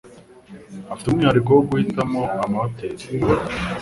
Afite umwihariko wo guhitamo amahoteri.